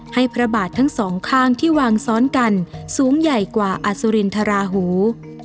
พระบาททั้งสองข้างที่วางซ้อนกันสูงใหญ่กว่าอสุรินทราหู